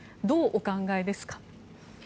どうお考えですか？